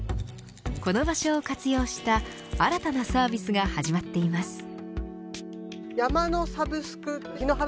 この場所を活用した新たなサービスが始まっています。